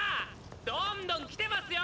どんどん来てますよ！